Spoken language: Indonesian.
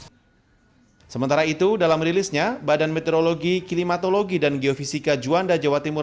hai sementara itu dalam rilisnya badan meteorologi klimatologi dan geofisika juanda jawa timur